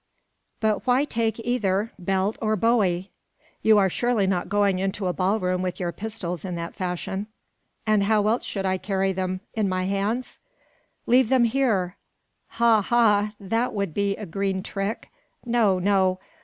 "But why take either belt or bowie? You are surely not going into a ball room with your pistols in that fashion?" "And how else should I carry them? In my hands?" "Leave them here." "Ha! ha! that would be a green trick. No, no.